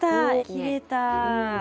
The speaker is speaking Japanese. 切れた。